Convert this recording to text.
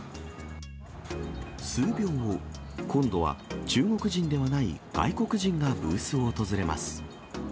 数秒後、今度は中国人ではない外国人がブースを訪れます。